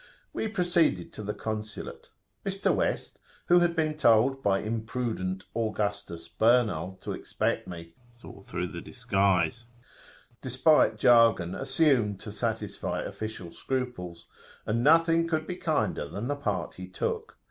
We proceeded to the Consulate. Mr. West, who had been told by imprudent Augustus Bernal to expect me, saw through the disguise, despite jargon assumed to satisfy official scruples, and nothing could be kinder than the part he took.